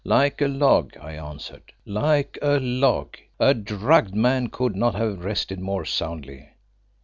"Like a log," I answered, "like a log. A drugged man could not have rested more soundly."